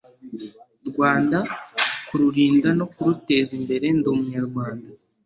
rwanda kururinda no kuruteza imbere ndi umunyarwanda